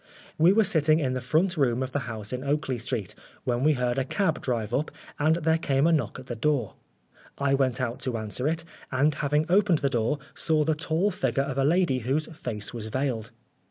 We were sitting in the front room of 168 Oscar Wilde the house in Oakley Street when we heard a cab drive up, and then there came a knock at the door. I went out to answer it, . and having opened the door, saw the tall figure of a lady whose face was veiled.